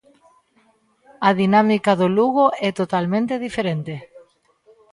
A dinámica do Lugo é totalmente diferente.